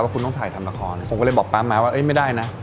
คุณต้องถ่ายทำละครผมก็เลยบอกป๊ามาว่าไม่ได้นะ